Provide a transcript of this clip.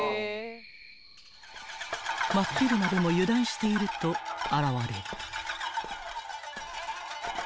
［真っ昼間でも油断していると現れる］